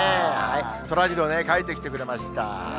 そらジローの絵、描いてきてくれました。